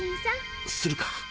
するか。